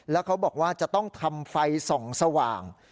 แล้วเขาบอกว่าจะต้องทำไฟส่องสว่าง